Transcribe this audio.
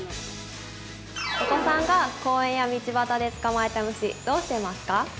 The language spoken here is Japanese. お子さんが公園や道端で捕まえた虫どうしていますか？